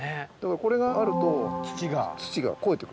これがあると土が肥えて来る。